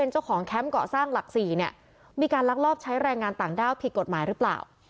เจ้าของแคมป์เกาะสร้างหลัก๔เนี่ยมีการลักลอบใช้แรงงานต่างด้าวผิดกฎหมายหรือเปล่า